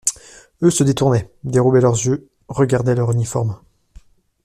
Eux se détournaient, dérobaient leurs yeux, regardaient leurs uniformes.